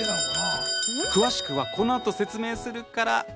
詳しくはこのあと説明するから。